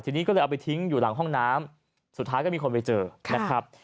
ทีนี้ก็เลยเอาไปทิ้งอยู่หลังห้องน้ำสุดท้ายก็มีคนไปเจอนะครับ